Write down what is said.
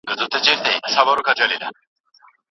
رښتينی انسان په هغه کار کي برخه اخلي چي د خير وي.